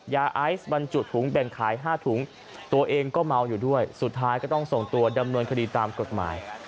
ยาไอซ์บรรจุถุงแบ่งขาย๕ถุงตัวเองก็เมาอยู่ด้วยสุดท้ายก็ต้องส่งตัวดำเนินคดีตามกฎหมาย